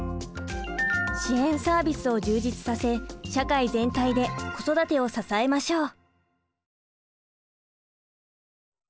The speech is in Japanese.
支援サービスを充実させ社会全体で子育てを支えましょう。